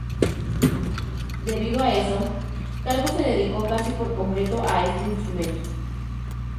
Debido a eso, Calvo se dedicó casi por completo a este instrumento.